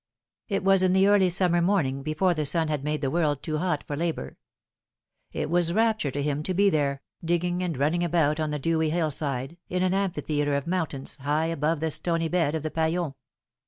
It was in the early summer morning, before the sun had made the world too hot for labour. It was rapture to him to be there, digging and running about on the dewy hill side, in an amphitheatre of mountains, high above the stony bed of the Paillon.